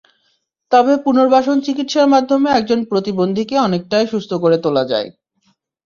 তবে পুনর্বাসন চিকিৎসার মাধ্যমে একজন প্রতিবন্ধীকে অনেকটাই সুস্থ করে তোলা যায়।